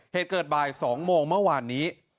เหตุเกิดบ่าย๒โมงเมื่อวานนี้